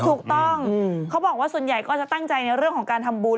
ถูกต้องเขาบอกว่าส่วนใหญ่ก็จะตั้งใจในเรื่องของการทำบุญ